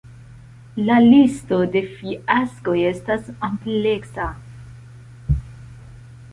La listo de fiaskoj estas ampleksa.